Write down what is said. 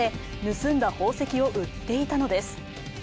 盗んだ宝石を売っていたのです。